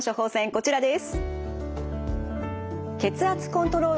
こちらです。